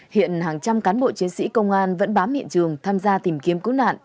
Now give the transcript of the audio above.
hiện hàng trăm cán bộ chiến sĩ công an vẫn bám hiện trường tham gia tìm kiếm cứu nạn